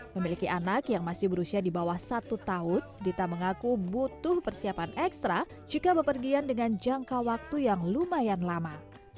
memiliki anak yang masih berusia di bawah satu tahun dita mengaku butuh persiapan ekstra jika bepergian dengan jangka waktu yang lumayan lama